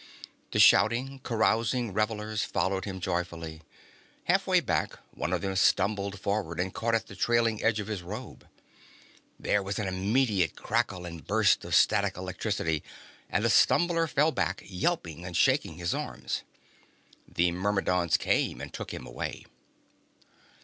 The shouting, carousing revelers followed him joyfully. Halfway back, one of them stumbled forward and caught at the trailing edge of his robe. There was an immediate crackle and burst of static electricity, and the stumbler fell back yelping and shaking his arms. The Myrmidons came and took him away.